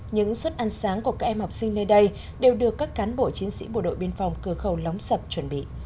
những suất ăn sáng của các em học sinh nơi đây đều được các cán bộ chiến sĩ bộ đội biên phòng cửa khẩu lóng sập chuẩn bị